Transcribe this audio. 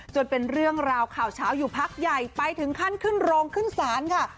จนเป็นเรื่องราวข่าวเช้าอยู่พักใหญ่ไปถึงขั้นขึ้นโรงขึ้นศาลค่ะ